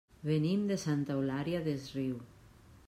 Venim de Santa Eulària des Riu.